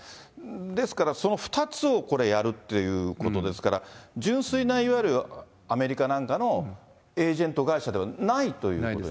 ですから、その２つをこれ、やるっていうことですから、純粋な、いわゆるアメリカなんかのエージェント会社ではないということ。